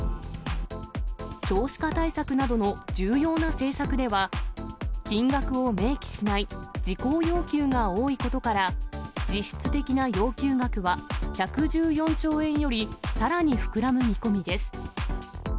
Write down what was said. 少子化対策などの重要な政策では、金額を明記しない事項要求が多いことから、実質的な要求額は１１４兆円よりさらに膨らむ見込みです。